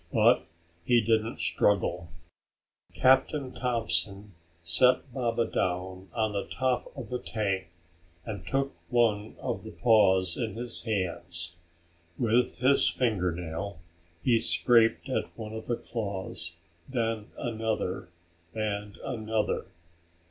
But he didn't struggle. Captain Thompson set Baba down on the top of the tank and took one of the paws in his hands. With his fingernail he scraped at one of the claws, then another and another.